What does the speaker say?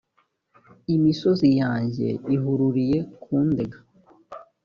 imisozi yanjye ihururiye kundega